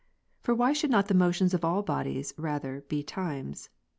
For why should not the motions of all bodies rather be times